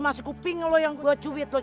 masih kuping lu yang gua cubit lu